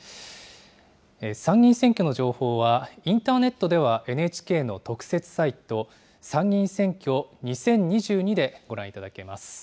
参議院選挙の情報は、インターネットではＮＨＫの特設サイト、参議院選挙２０２２でご覧いただけます。